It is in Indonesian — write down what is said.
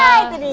nah itu dia